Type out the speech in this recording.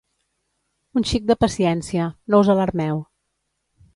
Un xic de paciència. No us alarmeu.